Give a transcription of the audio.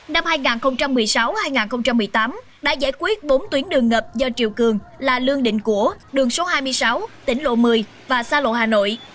năm hai nghìn một mươi sáu hai nghìn một mươi tám đã giải quyết bốn tuyến đường ngập do triều cường là lương định của đường số hai mươi sáu tỉnh lộ một mươi và xa lộ hà nội